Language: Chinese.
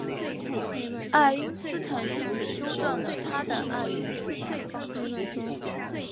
爱因斯坦因此修正了他的爱因斯坦方程。